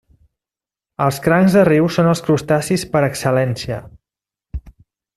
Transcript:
Els crancs de riu són els crustacis per excel·lència.